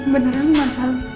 beneran mas al